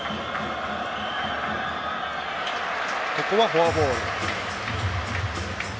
ここはフォアボール。